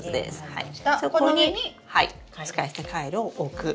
使い捨てカイロを置く。